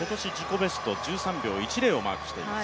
ベスト１３秒１０をマークしています。